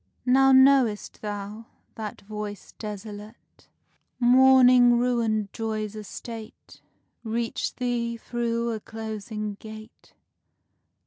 Now know'st thou, that voice desolate, Mourning ruined joy's estate, Reached thee through a closing gate.